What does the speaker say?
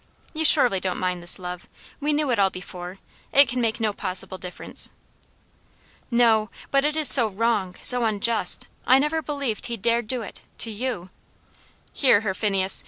"You surely don't mind this, love? We knew it all before. It can make no possible difference." "No! But it is so wrong so unjust. I never believed he dared do it to you." "Hear her, Phineas!